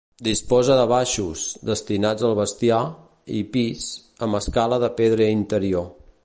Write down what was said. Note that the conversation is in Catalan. Disposa de baixos, destinats al bestiar, i pis, amb escala de pedra interior.